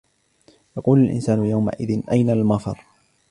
يَقُولُ الإِنسَانُ يَوْمَئِذٍ أَيْنَ الْمَفَرُّ